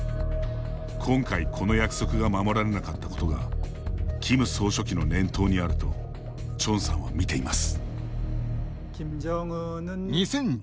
今回、この約束が守られなかったことがキム総書記の念頭にあるとチョンさんは見ています。